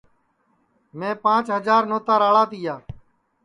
میں پانٚچ ہجار نوتا راݪا تیا